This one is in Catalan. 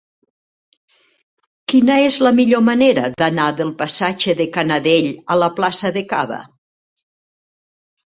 Quina és la millor manera d'anar del passatge de Canadell a la plaça de Caba?